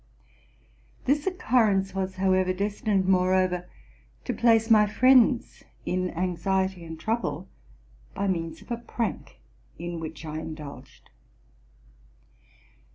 This occurrence was, however, destined moreover to place my friends in anxiety and trouble by means of a prank in which I indulged.